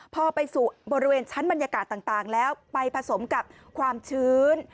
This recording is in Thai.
พอไปสู่บริเวณชั้นบรรยากาศต่างแล้วไปผสมกับความชื้น